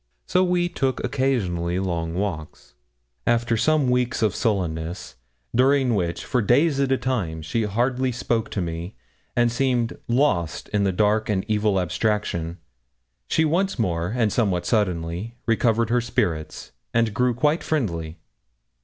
So we took occasionally long walks. After some weeks of sullenness, during which for days at a time she hardly spoke to me, and seemed lost in dark and evil abstraction, she once more, and somewhat suddenly, recovered her spirits, and grew quite friendly.